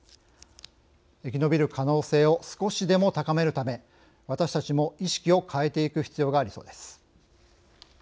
生き延びる可能性を少しでも高めるため私たちも意識を変えていく必要がありそうです。